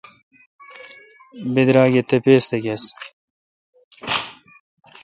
بدرآگ اے° تپیس تھہ گؙس۔